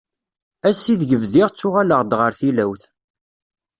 Ass i deg bdiɣ ttuɣaleɣ-d ɣer tilawt.